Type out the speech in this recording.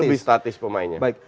lebih statis pemainnya